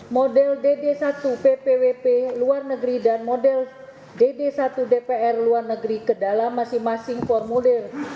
model dd satu ppwp luar negeri dan model dd satu dpr luar negeri ke dalam masing masing formulir